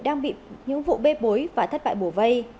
đang bị những vụ bê bối và thất bại bổ vây